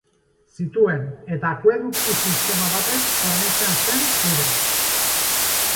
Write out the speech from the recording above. Zituen, eta akueduktu sistema batez hornitzen zen urez.